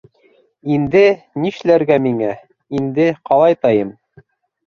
Инде нишләргә миңә, инде ҡалайтайым?!